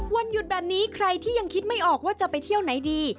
วันหยุดแบบนี้ใครที่ยังคิดไม่ออกว่าจะไปเที่ยวไหนดี